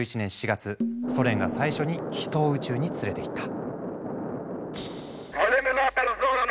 ソ連が最初に人を宇宙に連れていった。